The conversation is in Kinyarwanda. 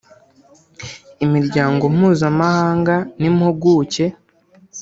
Imiryango mpuzamahanga n’impuguke